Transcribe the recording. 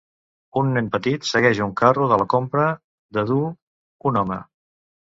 Un nen petit segueix un carro de la compra de duu un home.